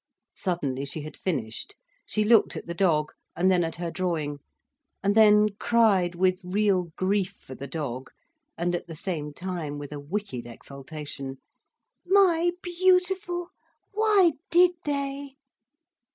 Suddenly she had finished. She looked at the dog, and then at her drawing, and then cried, with real grief for the dog, and at the same time with a wicked exultation: "My beautiful, why did they?"